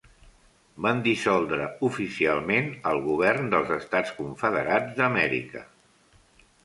Van dissoldre oficialment el govern dels Estats Confederats d'Amèrica.